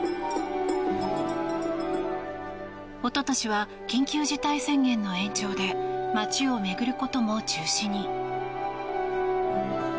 一昨年は緊急事態宣言の延長で街を巡ることも中止に。